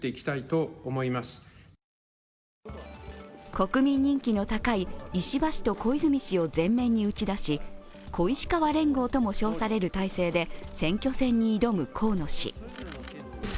国民人気の高い石破氏と小泉氏を前面に打ち出し小石河連合とも称される体制で選挙戦に挑む河野氏。